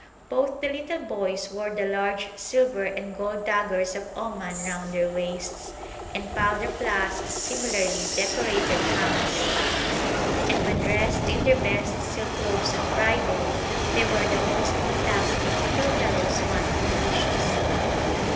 Both the little boys wore the large silver and gold daggers of Oman round their waists, and powder flasks similarly decorated hung on their backs; and when dressed in their best silk robes on Friday, they were the most fantastic little fellows one could wish to see.